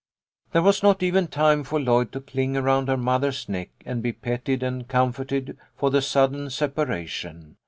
There was not even time for Lloyd to cling around her mother's neck and be petted and comforted for the sudden separation.